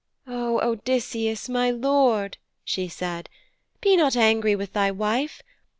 'O Odysseus, my lord,' she said, 'be not angry with thy wife.